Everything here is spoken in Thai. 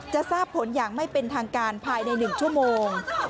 จะทราบผลอย่างไม่เป็นทางการภายใน๑ชั่วโมง